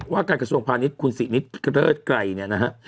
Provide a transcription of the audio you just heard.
ว่าการกระทรวงภาณิชพ์คุณศรีนิษฐ์